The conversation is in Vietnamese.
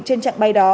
trên trạng bay đó